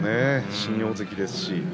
新大関ですし。